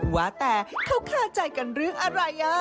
ว่าแต่เขาคาใจกันเรื่องอะไร